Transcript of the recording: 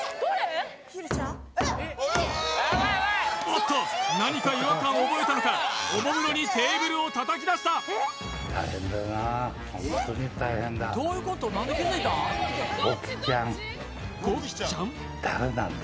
おっと何か違和感を覚えたのかおもむろにテーブルを叩きだしたゴキちゃん？